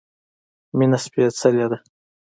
مينه سپيڅلی ده